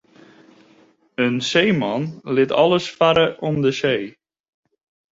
In seeman lit alles farre om de see.